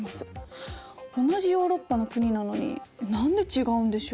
同じヨーロッパの国なのに何で違うんでしょう？